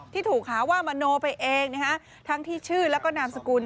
ที่ถูกหาว่ามโนไปเองทั้งที่ชื่อแล้วก็นามสกุล